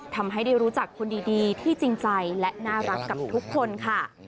ทำให้ได้รู้จักคนดีที่จริงใจและน่ารักกับทุกคนค่ะ